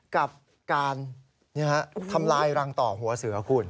กับการทำลายรังต่อหัวเสือคุณ